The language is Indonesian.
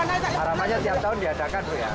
harapannya setiap tahun diadakan dulu ya